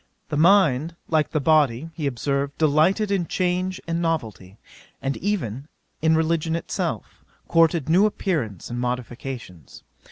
The mind, like the body, he observed, delighted in change and novelty, and even in religion itself, courted new appearances and modifications.